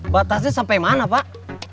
batasnya sampai mana pak